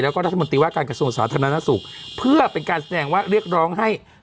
แล้วก็รัฐมนตรีว่าการกระทรวงสาธารณสุขเพื่อเป็นการแสดงว่าเรียกร้องให้